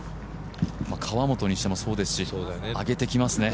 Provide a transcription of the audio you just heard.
河本にしてもそうですし上げてきますね。